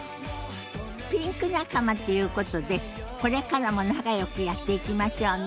ピンク仲間っていうことでこれからも仲よくやっていきましょうね。